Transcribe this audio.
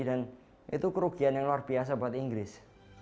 dan itu kerugian yang luar biasa buat inggris